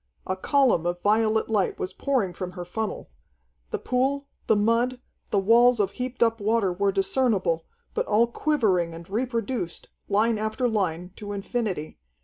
A column of violet light was pouring from her funnel. The pool, the mud, the walls of heaped up water were discernible, but all quivering and reproduced, line after line, to infinity.